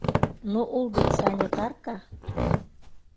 Ну, ул бит санитарка